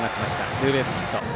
ツーベースヒット。